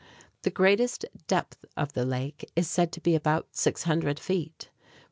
The greatest depth of the lake is said to be about 600 feet.